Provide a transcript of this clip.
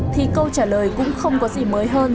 thì câu trả lời cũng không có gì mới hơn